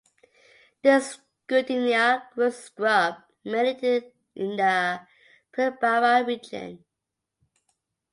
This goodenia grows in scrub mainly in the Pilbara region.